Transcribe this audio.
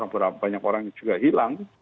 banyak orang juga hilang